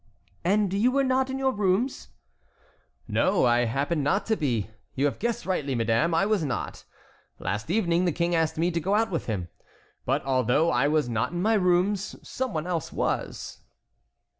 "And you were not in your rooms?" "No; I happened not to be. You have guessed rightly, madame, I was not. Last evening the King asked me to go out with him. But, although I was not in my rooms, some one else was."